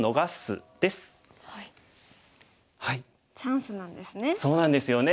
チャンスなんですね。